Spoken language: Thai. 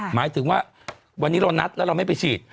หมายถึงว่าวันนี้เรานัดแล้วเราไม่ไปฉีด